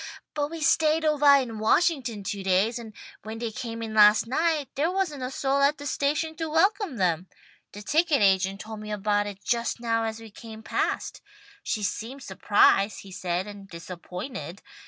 But we stayed ovah in Washington two days, and when they came in last night there wasn't a soul at the station to welcome them. The ticket agent told me about it just now as we came past. She seemed surprised, he said, and disappointed.